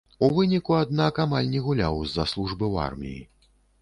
У выніку, аднак, амаль не гуляў з-за службы ў арміі.